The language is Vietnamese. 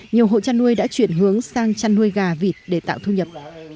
nhiều hộ chăn nuôi đã chuyển hướng sang chăn nuôi gà vịt để tạo thu nhập